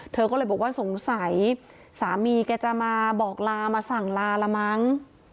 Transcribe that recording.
เธอก็เลยบอกว่าสงสัยสามีแกจะมาบอกลามาสั่งลาละมั้ง